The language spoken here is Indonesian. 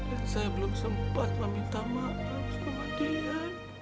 dan saya belum sempat meminta maaf sama dia